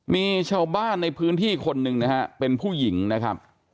มีชาวบ้านในพื้นที่คนหนึ่งนะฮะเป็นผู้หญิงนะครับ